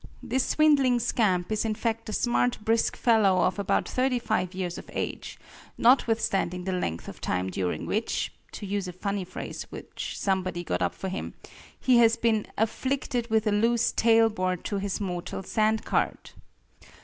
This swindling scamp is in fact a smart brisk fellow of about thirty five years of age, notwithstanding the length of time during which to use a funny phrase which somebody got up for him he has been "afflicted with a loose tail board to his mortal sand cart."